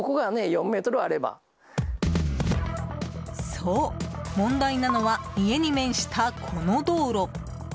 そう、問題なのは家に面した、この道路。